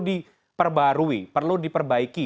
diperbarui perlu diperbaiki